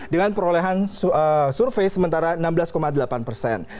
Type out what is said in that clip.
dengan perolehan survei sementara enam belas delapan persen